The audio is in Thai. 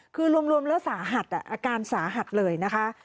คือรวมแล้วสาหัสอาการสาหัสเลยนะคะ